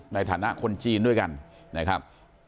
ในฐานะคนจีนด้วยกันนะครับ